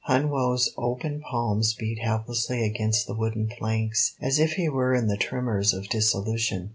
Hun Woe's open palms beat helplessly against the wooden planks, as if he were in the tremors of dissolution.